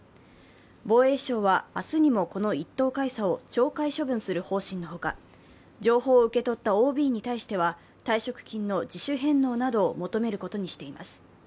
防衛省は明日にも、この１等海佐を懲戒処分する方針の他、情報を受け取ったＯＢに対しては退職金の自主返納などを求めることにしています。